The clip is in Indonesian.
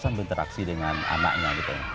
kita bisa berinteraksi dengan anaknya gitu